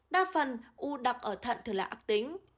đa phần u đọc ở thận thường là ác tính